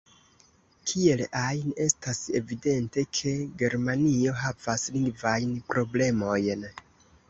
Kiel ajn, estas evidente, ke Germanio havas lingvajn problemojn.